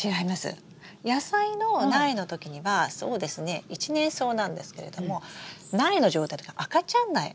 野菜の苗の時にはそうですね一年草なんですけれども苗の状態の時は赤ちゃん苗。